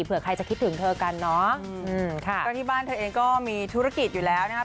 เผื่อใครจะคิดถึงเธอกันเนาะก็ที่บ้านเธอเองก็มีธุรกิจอยู่แล้วนะครับ